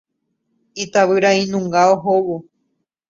Itavyrainunga ohóvo.